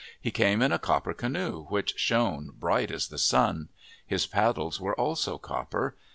He came in a copper canoe, which shone bright as the sun. His paddles were also copper.